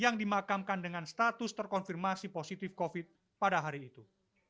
yang dimakamkan dengan status terkonfirmasi positif covid pada hari itu